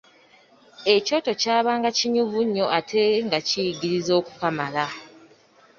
Ekyoto kyabanga kinyuvu nnyo ate nga kiyigiriza okukamala !